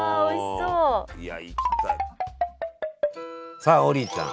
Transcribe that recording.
さあ王林ちゃん